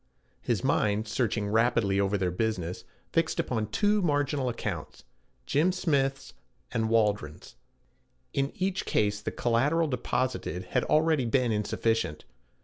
His mind, searching rapidly over their business, fixed upon two marginal accounts Jim Smith's and Waldron's. In each case the collateral deposited had already been insufficient.